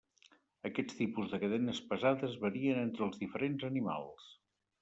Aquests tipus de cadenes pesades varien entre els diferents animals.